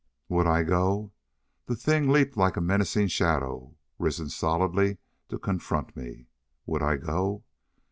Would I go? The thing leaped like a menacing shadow risen solidly to confront me. Would I go?